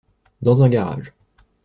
Dans un garage.